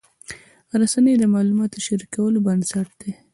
رسنۍ د معلوماتو شریکولو بنسټ دي.